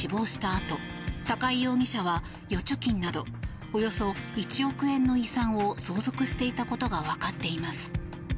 あと高井容疑者は預貯金などおよそ１億円の遺産を相続していたことがわかっています。